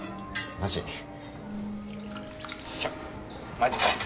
マジっす。